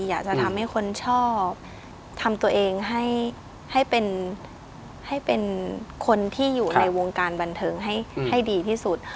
อยากจะทำให้คนชอบทำตัวเองให้เป็นคนที่อยู่ในวงการบันเทิงให้ดีที่สุด